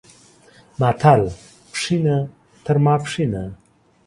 متل، پښینه تر ماپښینه